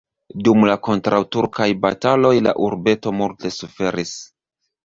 Dum la kontraŭturkaj bataloj la urbeto multe suferis.